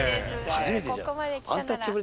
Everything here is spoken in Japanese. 初めてじゃん。